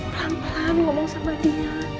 pelan pelan ngomong sama dia